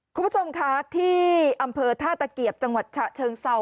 คุณผู้ชมคะที่อำเภอท่าตะเกียบจังหวัดฉะเชิงเซา